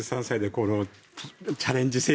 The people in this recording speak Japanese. ８３歳でこのチャレンジ